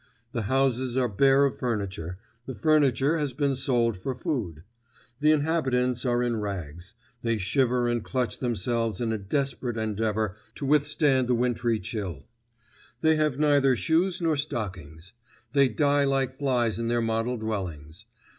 The houses are bare of furniture; the furniture has been sold for food. The inhabitants are in rags; they shiver and clutch themselves in a desperate endeavour to withstand the wintry chill. They have neither shoes nor stockings. They die like flies in their model dwellings.